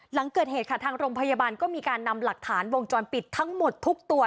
หลังเกิดเหตุค่ะทางโรงพยาบาลก็มีการนำหลักฐานวงจรปิดทั้งหมดทุกตัว